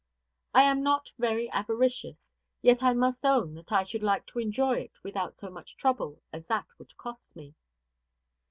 I am not very avaricious; yet I must own that I should like to enjoy it without so much trouble as that would cost me.